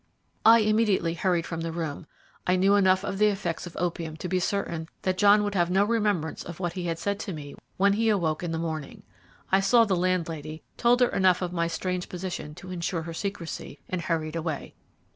"I immediately hurried from the room. I knew enough of the effects of opium to be certain that John would have no remembrance of what he had said to me when he awoke in the morning. I saw the landlady, told her enough of my strange position to insure her secrecy, and hurried away.